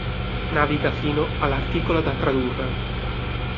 Naviga fino all'articolo da tradurre.